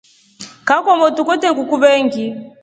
Kaa kwamotru kwetre nguku veengi.